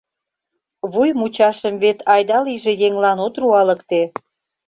— Вуй мучашым вет айда-лийже еҥлан от руалыкте.